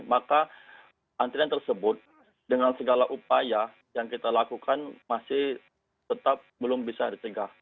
maka antrian tersebut dengan segala upaya yang kita lakukan masih tetap belum bisa ditegak